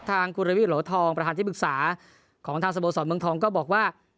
กุระวิทโหลทองประธานที่ปรึกษาของทางสโมสรเมืองทองก็บอกว่า